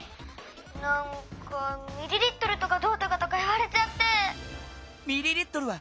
なんかミリリットルとかどうとかとかいわれちゃって」。